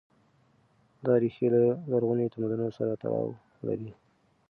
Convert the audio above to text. دا ريښې له لرغونو تمدنونو سره تړاو لري.